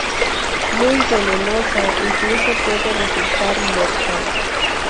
Muy venenosa, incluso puede resultar mortal.